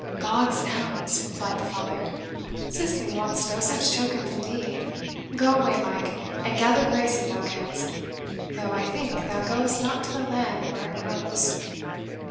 "Gogsnouns!" replied the father, "Cicely wants no such token from thee. Go away, Mike, and gather grace if thou canst, though I think thou goest not to the land where it grows."